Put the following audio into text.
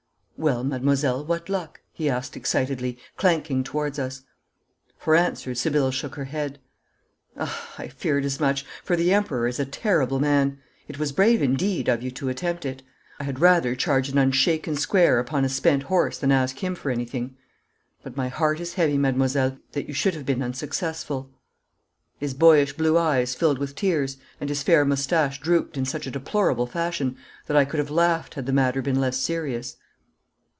'Well, mademoiselle, what luck?' he asked excitedly, clanking towards us. For answer Sibylle shook her head. 'Ah, I feared as much, for the Emperor is a terrible man. It was brave, indeed, of you to attempt it. I had rather charge an unshaken square upon a spent horse than ask him for anything. But my heart is heavy, mademoiselle, that you should have been unsuccessful.' His boyish blue eyes filled with tears and his fair moustache drooped in such a deplorable fashion, that I could have laughed had the matter been less serious.